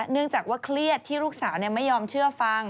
เนื่องจากว่าเครียดที่ลูกสาวไม่ยอมเชื่อฟัง